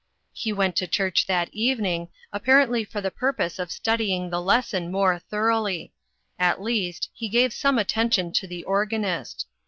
He went to church that evening apparently for the purpose of studying the lesson more thoroughly ; at least, he gave some attention to the organist.